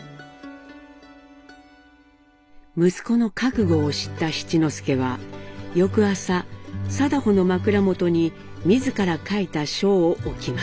息子の覚悟を知った七之助は翌朝禎穗の枕元に自ら書いた書を置きます。